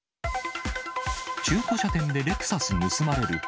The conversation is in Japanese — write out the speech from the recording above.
中古車店でレクサス盗まれる。